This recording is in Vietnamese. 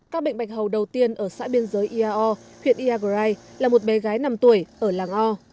các bệnh bạch hầu đầu tiên ở xã biên giới iao huyện iagrai là một bé gái năm tuổi ở làng o